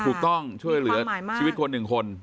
ถูกต้องช่วยเหลือชีวิตคนหนึ่งคน